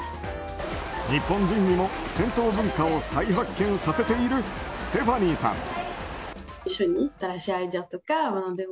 日本人にも銭湯文化を再発見させているステファニーさん。